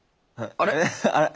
あれ？